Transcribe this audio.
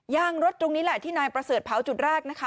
ยางรถตรงนี้แหละที่นายประเสริฐเผาจุดแรกนะคะ